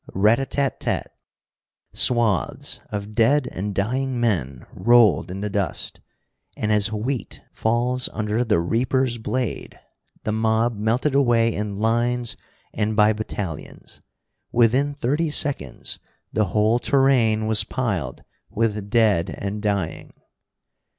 Rat a tat tat. Swaths of dead and dying men rolled in the dust, and, as wheat falls under the reaper's blade, the mob melted away in lines and by battalions. Within thirty seconds the whole terrain was piled with dead and dying.